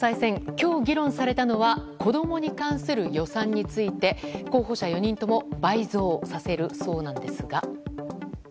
今日、議論されたのは子供に関する予算について候補者４人とも倍増させるそうなんですが。